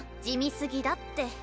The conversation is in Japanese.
地味すぎだって。